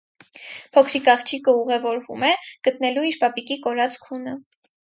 Փոքրիկ աղջիկը ուղևորվում է՝ գտնելու իր պապիկի կորած քունը։